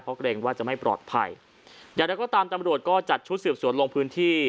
เพราะเกรงว่าจะไม่ปลอดภัยอย่างไรก็ตามตำรวจก็จัดชุดสืบสวนลงพื้นที่